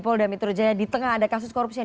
polda metro jaya di tengah ada kasus korupsi yang